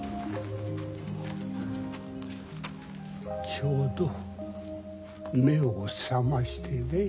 ちょうど目を覚ましてね。